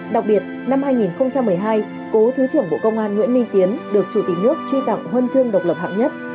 đặc biệt năm hai nghìn một mươi hai cố thứ trưởng bộ công an nguyễn minh tiến được chủ tịch nước truy tặng huân chương độc lập hạng nhất